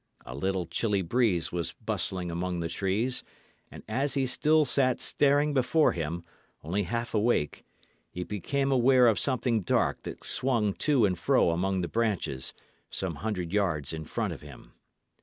A little chilly breeze was bustling among the trees, and as he still sat staring before him, only half awake, he became aware of something dark that swung to and fro among the branches, some hundred yards in front of him.